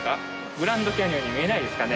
グランドキャニオンに見えないですかね。